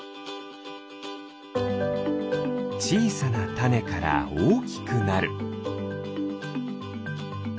ちいさなたねからおおきくなる。